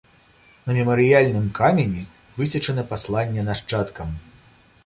На мемарыяльным камені высечана пасланне нашчадкам.